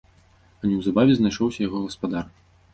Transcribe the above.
А неўзабаве знайшоўся і яго гаспадар.